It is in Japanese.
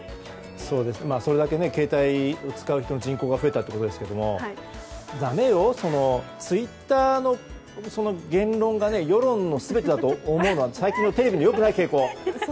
それだけ携帯を使う人口が増えたということですけどだめよ、ツイッターの言論が世論の全てだと思うのは最近のテレビの良くない傾向。